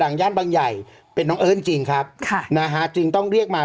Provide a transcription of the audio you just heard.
ย่านบางใหญ่เป็นน้องเอิ้นจริงครับค่ะนะฮะจึงต้องเรียกมา